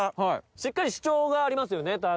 しっかり主張がありますよねタアサイの。